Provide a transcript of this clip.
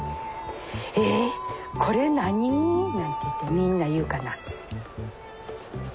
「えっこれ何？」なんていってみんな言うかな。